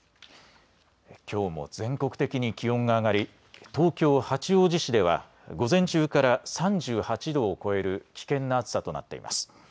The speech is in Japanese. きょうも全国的に気温が上がり東京八王子市では午前中から３８度を超える危険な暑さとなっています。